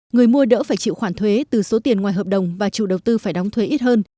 người mua đỡ phải chịu khoản thuế từ số tiền ngoài hợp đồng và chủ đầu tư phải đóng thuế ít hơn